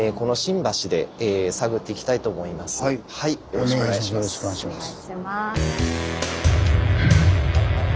よろしくお願いします。